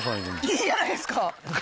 いいじゃないですか。